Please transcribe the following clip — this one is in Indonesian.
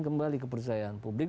kembali kepercayaan publik